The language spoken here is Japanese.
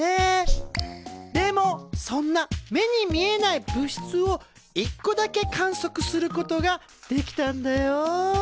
でもそんな目に見えない物質を一個だけ観測することができたんだよ。